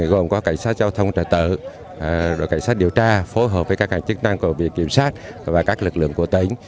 gồm có cảnh sát giao thông trật tự cảnh sát điều tra phối hợp với các chức năng của viện kiểm sát và các lực lượng của tỉnh